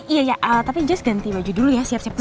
iya iya tapi just ganti baju dulu ya siap dua dulu ya